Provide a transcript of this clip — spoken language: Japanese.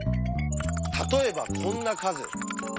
例えばこんな数！